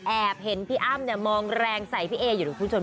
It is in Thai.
แอบเห็นพี่อ้ำเนี่ยมองแรงใส่พี่เออยู่ด้วย